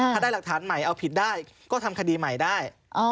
ถ้าได้หลักฐานใหม่เอาผิดได้ก็ทำคดีใหม่ได้